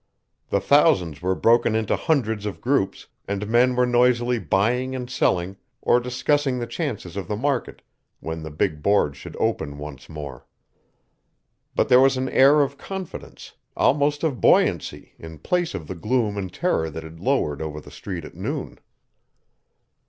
The thousands were broken into hundreds of groups, and men were noisily buying and selling, or discussing the chances of the market when the "big Board" should open once more. But there was an air of confidence, almost of buoyancy, in place of the gloom and terror that had lowered over the street at noon.